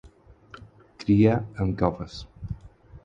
Cria en coves.